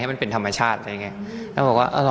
นางหนุ่มมองข้างหลังอีกแล้วเนี่ย